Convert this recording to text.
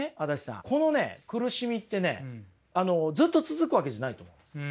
このね苦しみってねずっと続くわけじゃないと思うんです。